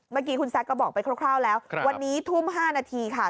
เมื่อกี้คุณแซคก็บอกไปคร่าวแล้ววันนี้ทุ่ม๕นาทีค่ะ